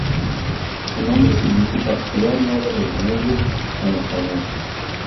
Su nombre significa "Ciudad Nueva del Danubio" en español.